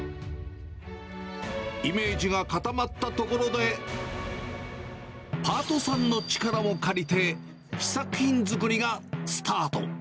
イメージが固まったところで、パートさんの力も借りて試作品作りがスタート。